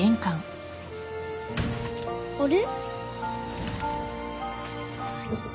あれ？